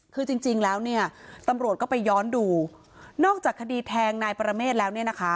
คือจริงแล้วตำรวจไปย้อนดูนอกจากคดีแทงนายปรเมฆแล้ว